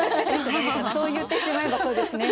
そう言ってしまえばそうですね。